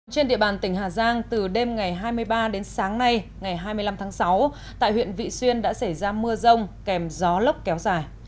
trên địa bàn tỉnh hà giang từ đêm ngày hai mươi ba đến sáng nay ngày hai mươi năm tháng sáu tại huyện vị xuyên đã xảy ra mưa rông kèm gió lốc kéo dài